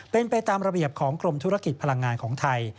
เป็นไปตามระเบียบของกรมธุรกิจพลังงานของไทย